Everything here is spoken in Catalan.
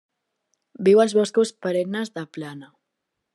Viu als boscos perennes de plana.